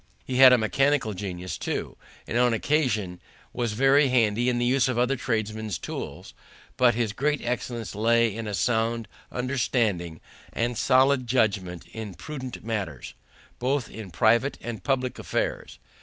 He had a mechanical genius too, and, on occasion, was very handy in the use of other tradesmen's tools; but his great excellence lay in a sound understanding and solid judgment in prudential matters, both in private and publick affairs.